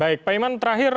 baik pak iman terakhir